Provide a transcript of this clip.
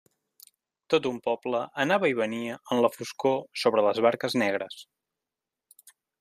Tot un poble anava i venia en la foscor sobre les barques negres.